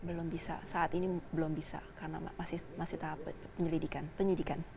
belum bisa saat ini belum bisa karena masih tahap penyelidikan penyidikan